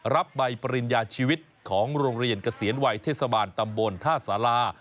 รับใบปริญญาชีวิตของโรงเรียนเกษียณวัยเทศบาลตำบลท่าสารา